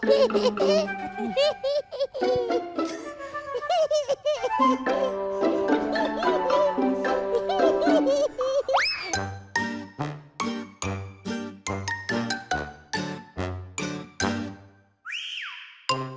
เอ๊ยทำไมตรงนี้จริง